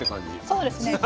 そうですね。